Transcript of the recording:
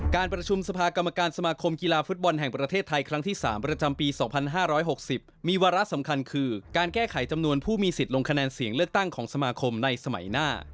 การประชุมสภากรรมการสมาคมกีฬาฟุตบอลแห่งประเทศไทยครั้งที่๓ประจำปี๒๕๖๐มีวาระสำคัญคือการแก้ไขจำนวนผู้มีสิทธิ์ลงคะแนนเสียงเลือกตั้งของสมาคมในสมัยหน้า